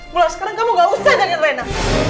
mulai sekarang kamu gak usah jadikan rena